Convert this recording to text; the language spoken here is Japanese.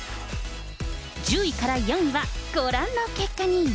１０位から４位はご覧の結果に。